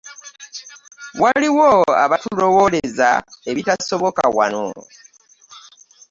Waliwo abatulowooleza ebitasoboka wano.